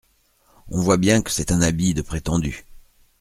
On voit bien que c’est un habit de prétendu…